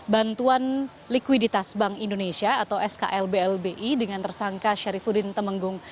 bantuan likuiditas bank indonesia atau sklblbi dengan tersangka syarifudin temenggung